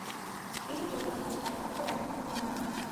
এই তো চৈত্র মাস, এক বৎসর এখনও পূর্ণ হয় নাই।